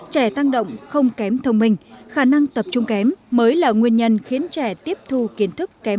trẻ tăng động không kém thông minh khả năng tập trung kém mới là nguyên nhân khiến trẻ tiếp thu kiến thức kém